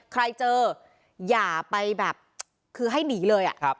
ใครเจออย่าไปแบบคือให้หนีเลยอ่ะครับ